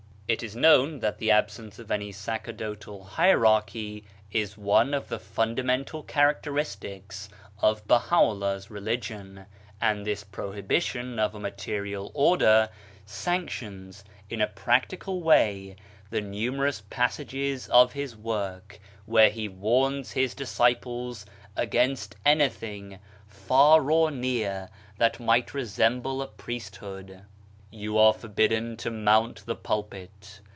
It is known that the absence of any sacerdotal hierarchy is one of the fundamental characteristics of BahaVl lah's religion ; and this prohibition of a 166 BAHAISM material order sanctions in a practical way the numerous passages of his work where he warns his disciples against any thing, far or near, that might resemble a priesthood. " You are forbidden to mount the pulpit.